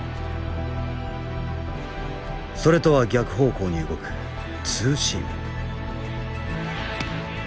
それとは逆方向に動くツーシーム。